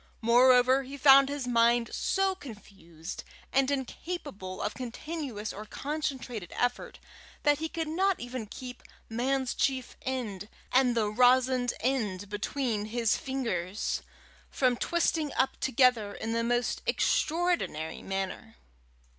Moreover, he found his mind so confused and incapable of continuous or concentrated effort, that he could not even keep "man's chief end" and the rosined end between his fingers from twisting up together in the most extraordinary manner.